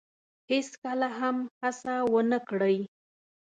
هیڅکله هم هڅه ونه کړی